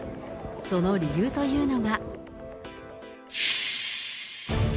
その理由というのが。